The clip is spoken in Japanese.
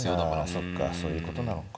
そっかそういうことなのか。